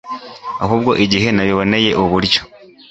ahubwo igihe nabiboneye uburyo